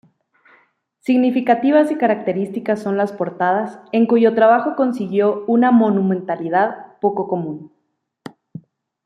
Significativas y características son las portadas, en cuyo trabajó consiguió una monumentalidad poco común.